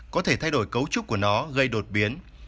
có thể thay đổi cấu trúc của nó gây đột biến